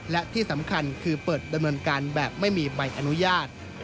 และที่สำคัญคือเปิดดำเนินการแบบไม่มีใบอนุญาต